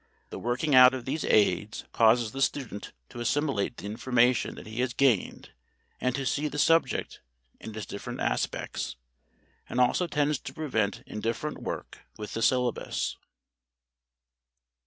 The working out of these aids causes the student to assimilate the information that he has gained and to see the subject in its different aspects; and also tends to prevent indifferent work with the syllabus.